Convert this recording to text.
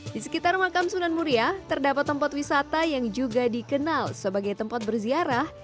di sekitar makam sunan muria terdapat tempat wisata yang juga dikenal sebagai tempat berziarah